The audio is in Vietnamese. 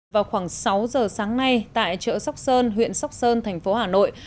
vào khoảng sáu giờ sáng nay tại chợ sóc sơn huyện sóc sơn thành phố hà nội